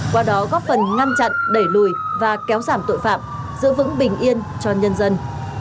qua đó góp phần ngăn chặn đẩy lùi và kéo giảm tội phạm giữ vững bình yên cho nhân dân